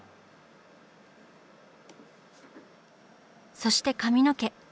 そして髪の毛。